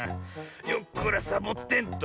よっこらサボテンと。